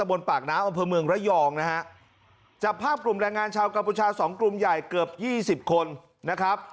บนปากน้ำอำเภอเมืองระยองนะฮะจับภาพกลุ่มแรงงานชาวกัมพูชาสองกลุ่มใหญ่เกือบยี่สิบคนนะครับ